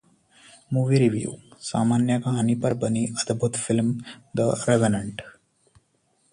Movie Review: सामान्य कहानी पर बनी अद्भुत फिल्म है 'द रेवेनेंट'